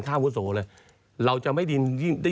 แปลว่าอะไรครับ